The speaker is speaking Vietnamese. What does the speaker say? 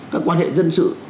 các quan hệ dân sự